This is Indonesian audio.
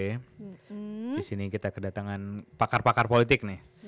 disini kita kedatangan pakar pakar politik nih